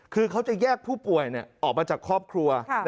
คือเขาจะแยกผู้ป่วยออกมาจากครอบครัว